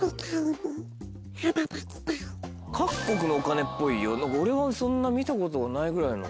各国のお金っぽいよ何か俺はそんな見たことないぐらいの。